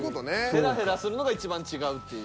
ヘラヘラするのが一番違うっていう。